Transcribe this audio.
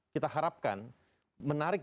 kita harapkan menarik